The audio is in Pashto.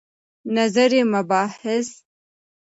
نظري مباحث